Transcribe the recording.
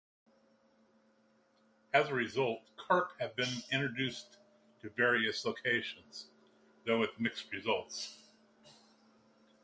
As a result, carp have been introduced to various locations, though with mixed results.